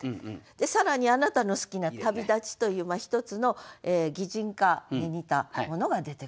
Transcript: で更にあなたの好きな「旅立ち」という一つの擬人化に似たものが出てくる。